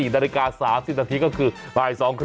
๔นาฬิกา๓๐นาทีก็คือบ่าย๒๓๐